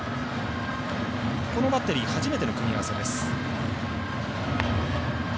このバッテリー初めての組み合わせです。